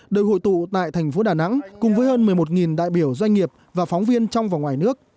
được hội tụ tại thành phố đà nẵng cùng với hơn một mươi một đại biểu doanh nghiệp và phóng viên trong và ngoài nước